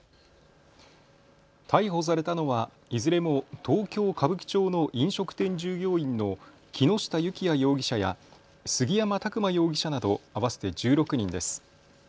逮捕されたのはいずれも東京歌舞伎町の飲食店従業員の木下幸也容疑者や杉山琢磨容疑者など合わせて１６人です。